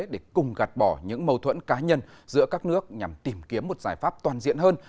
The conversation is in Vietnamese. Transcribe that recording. để cùng gạt bỏ những mâu thuẫn cá nhân giữa các nước nhằm tìm kiếm một giải pháp toàn diện hơn